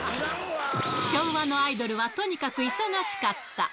昭和のアイドルは、とにかく忙しかった。